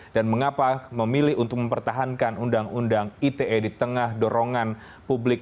mengapa memilih untuk mempertahankan undang undang ite di tengah dorongan publik